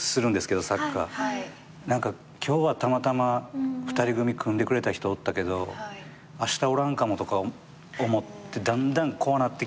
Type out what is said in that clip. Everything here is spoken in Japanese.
何か今日はたまたま２人組組んでくれた人おったけどあしたおらんかもとか思ってだんだん怖なってきて。